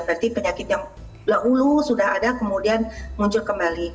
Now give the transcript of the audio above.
berarti penyakit yang dahulu sudah ada kemudian muncul kembali